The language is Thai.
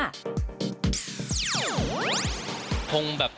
คุณพ่อลูกหนึ่งแฮปปี้เวิร์ด